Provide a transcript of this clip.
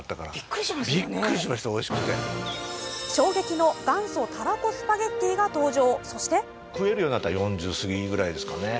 衝撃の元祖たらこスパゲッティが登場。